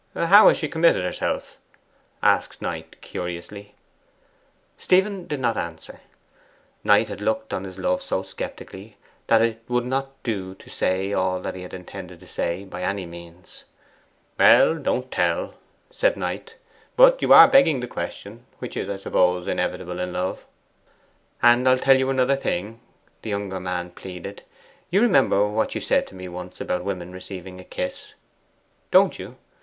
'How has she committed herself?' asked Knight cunously. Stephen did not answer. Knight had looked on his love so sceptically that it would not do to say all that he had intended to say by any means. 'Well, don't tell,' said Knight. 'But you are begging the question, which is, I suppose, inevitable in love.' 'And I'll tell you another thing,' the younger man pleaded. 'You remember what you said to me once about women receiving a kiss. Don't you?